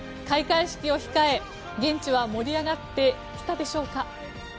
開会式を控え現地は盛り上がってきたでしょうか？